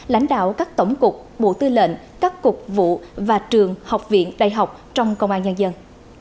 lãnh đạo các tổng cục bộ tư lệnh các cục vụ và trường học viện đại học trong công an nhân dân